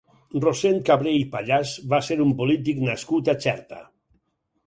Rossend Cabré i Pallàs va ser un polític nascut a Xerta.